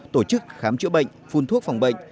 tổ chức khám chữa bệnh phun thuốc phòng bệnh